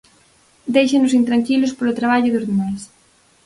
Déixanos intranquilos polo traballo dos demais.